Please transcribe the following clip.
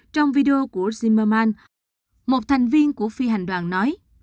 trong video của zimerman một thành viên của phi hành đoàn nói